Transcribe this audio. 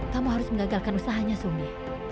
kamu harus mengagalkan usahanya sumi